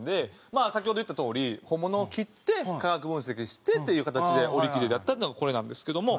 まあ先ほど言ったとおり本物を着て化学分析してっていう形で織り機でやったのがこれなんですけども。